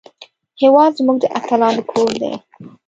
هېواد زموږ د اتلانو کور دی